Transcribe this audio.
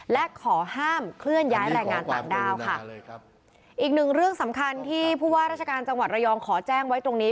และขอห้ามเคลื่อนย้ายแรงงานต่างด้าวค่ะอีกหนึ่งเรื่องสำคัญที่ผู้ว่าราชการจังหวัดระยองขอแจ้งไว้ตรงนี้